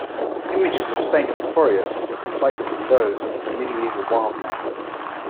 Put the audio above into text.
Images of Saint Onuphrius were conflated with those of the medieval "wild man".